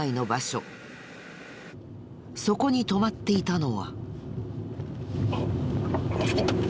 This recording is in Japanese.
そこに止まっていたのは。